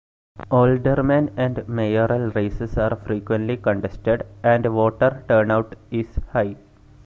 Alderman and mayoral races are frequently contested, and voter turnout is high.